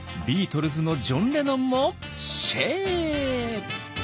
ビートルズのジョン・レノンも「シェー！」。